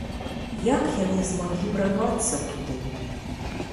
Як яны змаглі прарвацца туды?